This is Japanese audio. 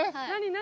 何？